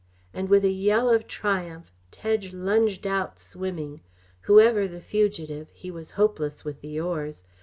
And with a yell of triumph Tedge lunged out swimming. Whoever the fugitive, he was hopeless with the oars.